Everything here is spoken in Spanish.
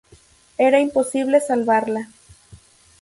Era imposible salvarla.